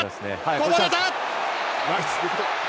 こぼれた！